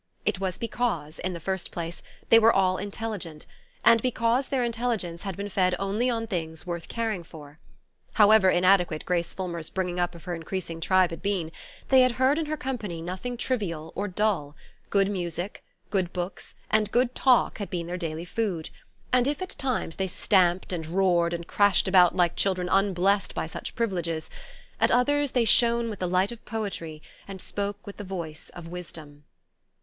It was because, in the first place, they were all intelligent; and because their intelligence had been fed only on things worth caring for. However inadequate Grace Fulmer's bringing up of her increasing tribe had been, they had heard in her company nothing trivial or dull: good music, good books and good talk had been their daily food, and if at times they stamped and roared and crashed about like children unblessed by such privileges, at others they shone with the light of poetry and spoke with the voice of wisdom.